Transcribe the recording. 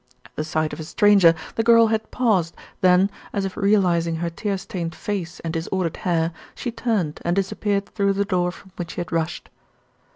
At the sight of a stranger the girl had paused, then, as if realising her tear stained face and disordered hair, she turned and disappeared through the door from which she had rushed.